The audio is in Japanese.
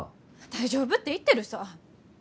大丈夫って言ってるさぁ。